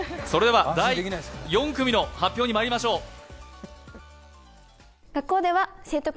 それでは、第４組の発表にまいりましょう。